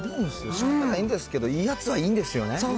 しかたないんですけど、いいやつはいいんですよね。